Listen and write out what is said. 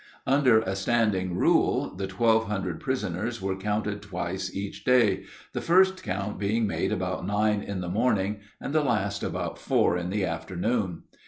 Under a standing rule, the twelve hundred prisoners were counted twice each day, the first count being made about nine in the morning, and the last about four in the afternoon.